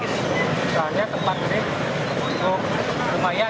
istilahnya tempat ini cukup lumayan